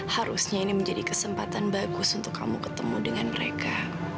harusnya ini menjadi kesempatan bagus untuk kamu ketemu dengan mereka